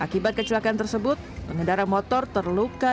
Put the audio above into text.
akibat kecelakaan tersebut pengendara motor terluka